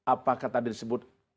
apa kata disebut